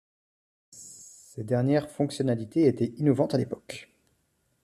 Ces dernières fonctionnalités étaient innovantes à l'époque.